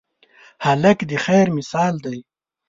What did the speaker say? هلک د خیر مثال دی.